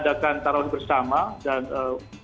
nah kbri brasilia sebetulnya setiap tahun kita membuka